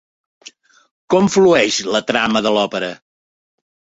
Com flueix la trama de l'òpera?